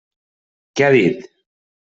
Què ha dit?